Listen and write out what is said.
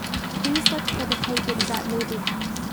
Please look for The Pagans at movie house.